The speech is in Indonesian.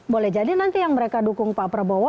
boleh jadi nanti yang mereka dukung pak prabowo